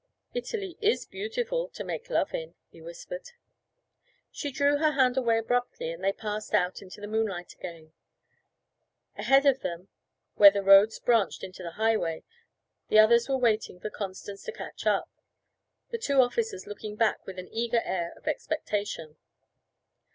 'Italy is beautiful to make love in,' he whispered. She drew her hand away abruptly, and they passed out into the moonlight again. Ahead of them where the road branched into the highway, the others were waiting for Constance to catch up, the two officers looking back with an eager air of expectation.